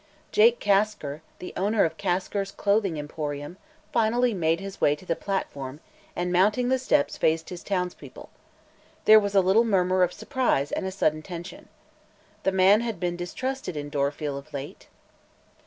Jake Kasker, the owner of "Kasker's Clothing Emporium," finally made his way to the platform and mounting the steps faced his townspeople. There was a little murmur of surprise and a sudden tension. The man had been distrusted in Dorfield, of late.